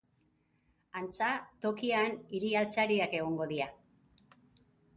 Antza, tokian hiri-altzariak egon dira.